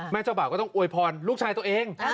เจ้าบ่าวก็ต้องอวยพรลูกชายตัวเอง